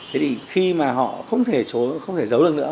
thế thì khi mà họ không thể giấu được nữa